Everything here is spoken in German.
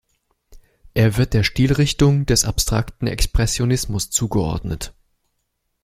Er wird der Stilrichtung des Abstrakten Expressionismus zugeordnet.